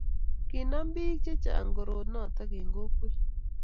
kinaam biik chechang korot noto eng kokwet